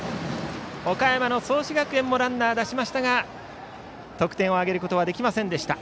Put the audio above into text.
岡山の創志学園もランナー出しましたが得点を挙げることはできませんでした。